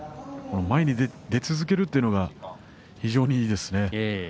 前に出続けるというのが非常にいいですね。